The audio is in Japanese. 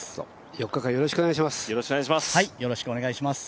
４日間よろしくお願いします